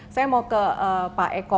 saya mau ke pak eko